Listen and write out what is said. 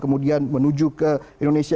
kemudian menuju ke indonesia